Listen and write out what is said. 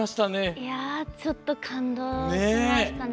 ちょっと感動しましたね。